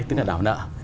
tức là đảo nợ